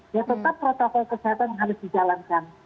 ya tetap protokol kesehatan harus dijalankan